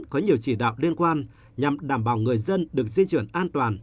có nhiều chỉ đạo liên quan nhằm đảm bảo người dân được di chuyển an toàn